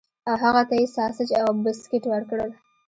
او هغه ته یې ساسج او بسکټ ورکړل